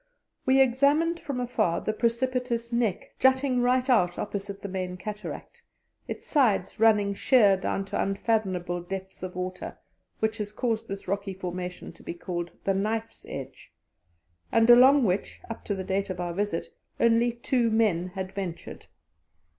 We examined from afar the precipitous Neck jutting right out opposite the main cataract, its sides running sheer down to unfathomable depths of water, which has caused this rocky formation to be called "The Knife's Edge," and along which, up to the date of our visit, only two men had ventured.